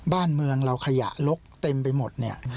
บ้านเมืองเราขยะลกเต็มไปหมดเนี่ย